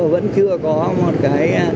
vẫn chưa có một cái